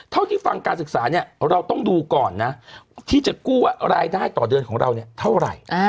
เท่าที่ฟังการศึกษาเนี่ยเราต้องดูก่อนนะที่จะกู้ว่ารายได้ต่อเดือนของเราเนี่ยเท่าไหร่